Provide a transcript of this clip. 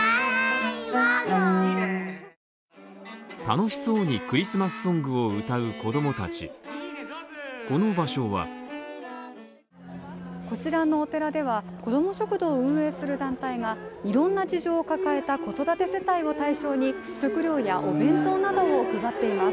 楽しそうにクリスマスソングを歌う子供たち、この場所はこちらのお寺では、こども食堂を運営する団体が、いろんな事情を抱えた子育て世帯を対象に、食料やお弁当などを配っています。